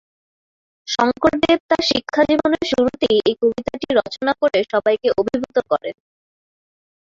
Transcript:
শঙ্কর দেব তাঁর শিক্ষা জীবনের শুরুতেই এই কবিতাটি রচনা করে সবাইকে অভিভূত করেন।